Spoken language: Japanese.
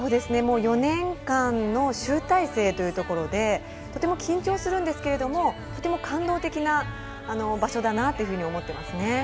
４年間の集大成というところでとても緊張するんですけれどもとても感動的な場所だなというふうに思っていますね。